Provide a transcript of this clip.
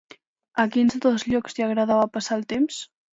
A quins dos llocs li agradava passar el temps?